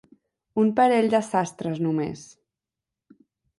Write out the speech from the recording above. Un parell de sastres, només.